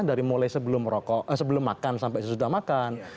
dari mulai sebelum makan sampai sesudah makan